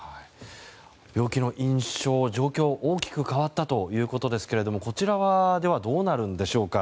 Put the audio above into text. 病気の印象、状況が大きく変わったというところですがこちらはどうなるんでしょうか。